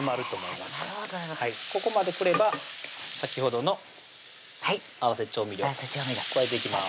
ここまでくれば先ほどの合わせ調味料加えていきます